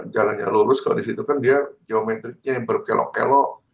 jalannya lurus kalau di situ kan dia geometriknya yang berkelok kelok